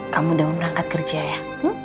kamu udah mau nangkat kerja ya